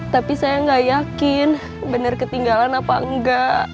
tapi saya gak yakin bener ketinggalan apa enggak